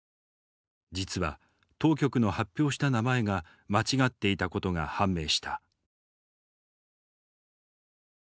実は当局の発表した名前が間違っていたことが判明した。